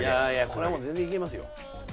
これは全然いけますよ。